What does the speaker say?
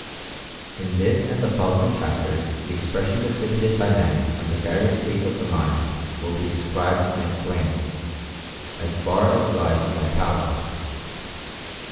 In this and the following chapters the expressions exhibited by Man under various states of the mind will be described and explained, as far as lies in my power.